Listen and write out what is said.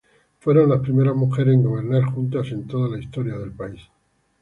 Fueron las primeras mujeres en gobernar juntas en toda la historia del país.